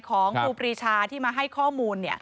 ครูปรีชาที่มาให้ข้อมูล